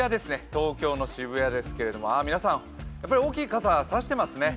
東京の渋谷ですが、皆さん、大きい傘差してますね。